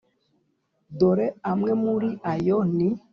dore amwe muri yo ni